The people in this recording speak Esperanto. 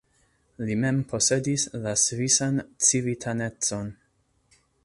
Li mem posedis la svisan civitanecon.